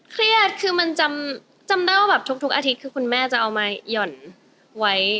เครียดคือมันจำได้ว่าแบบทุกอาทิตย์คือคุณแม่จะเอามาหย่อนไว้